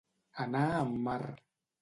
Anar en mar.